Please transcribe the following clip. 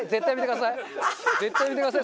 絶対やめてください！